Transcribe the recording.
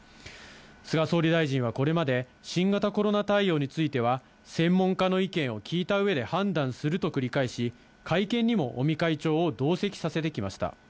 菅総理大臣はこれまで、新型コロナ対応については、専門家の意見を聞いたうえで判断すると繰り返し、会見にも尾身会長を同席させてきました。